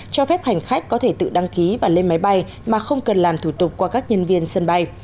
cho phép hành khách có thể tự đăng ký và lên máy bay mà không cần làm thủ tục qua các nhân viên sân bay